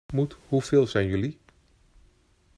Moet hoeveel zijn jullie?